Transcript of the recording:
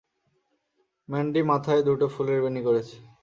Mandy মাথায় দুটো ফুলের বেণী করেছে।